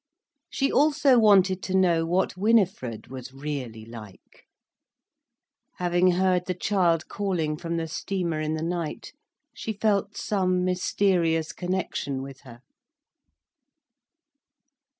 She also wanted to know what Winifred was really like. Having heard the child calling from the steamer in the night, she felt some mysterious connection with her.